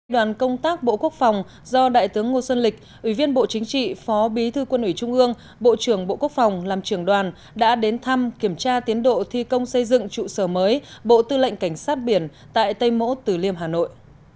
đoàn công tác bộ quốc phòng do đại tướng ngô xuân lịch ủy viên bộ chính trị phó bí thư quân ủy trung ương bộ trưởng bộ quốc phòng làm trưởng đoàn đã đến thăm kiểm tra tiến độ thi công xây dựng trụ sở mới bộ tư lệnh cảnh sát biển tại tây mỗ tử liêm hà nội